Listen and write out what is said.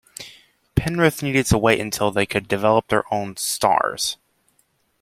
Penrith needed to wait until they could develop their own 'stars'.